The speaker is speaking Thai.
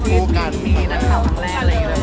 มีนักเขาแรกเลย